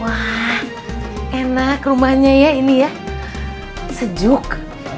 wah enak rumahnya ya ini ya sejuk